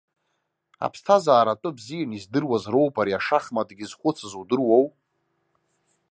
Аԥсҭазаара атәы бзианы издыруаз роуп ари ашахматгьы зхәыцыз, удыруоу.